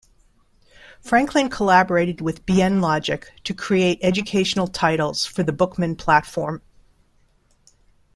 Franklin collaborated with Bien Logic to create educational titles for the Bookman platform.